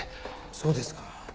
そうですか。